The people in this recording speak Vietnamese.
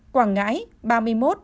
quảng ngãi ba mươi một